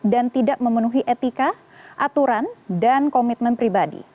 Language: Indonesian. dan tidak memenuhi etika aturan dan komitmen pribadi